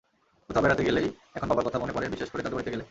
কোথাও বেড়াতে গেলেই এখন বাবার কথা মনে পড়ে, বিশেষ করে দাদুবাড়িতে গেলে।